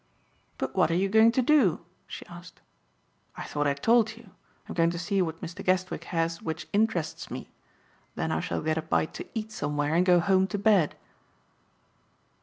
"But what are you going to do?" she asked. "I thought I told you. I'm going to see what Mr. Guestwick has which interests me. Then I shall get a bite to eat somewhere and go home to bed."